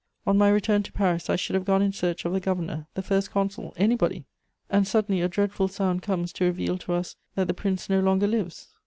On my return to Paris I should have gone in search of the Governor, the First Consul, anybody! And suddenly a dreadful sound comes to reveal to us that the Prince no longer lives!